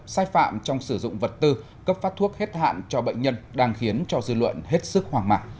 sai phạm trong sử dụng vật tư cấp phát thuốc hết hạn cho bệnh nhân đang khiến cho dư luận hết sức hoàng mạng